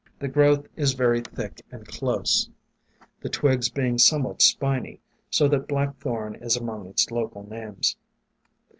The growth is very thick and close, the twigs being somewhat spiny, so that Black Thorn is among its local names.